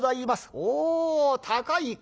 「おお高いか。